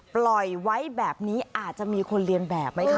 ปล่อยไว้แบบนี้อาจจะมีคนเรียนแบบไหมคะ